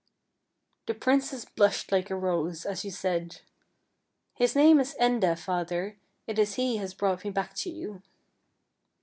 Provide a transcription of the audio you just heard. ' The princess blushed like a rose as she said: " His name is Enda, father ; it is he has brought me back to you."